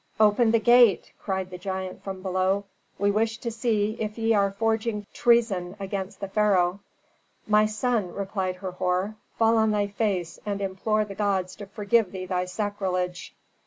"Open the gate!" cried the giant from below. "We wish to see if ye are forging treason against the pharaoh." "My son," replied Herhor, "fall on thy face and implore the gods to forgive thee thy sacrilege."